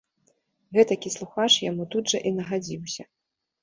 Гэтакі слухач яму тут жа і нагадзіўся.